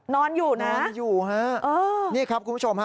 นอนอยู่นะนอนอยู่ฮะนี่ครับคุณผู้ชมฮะ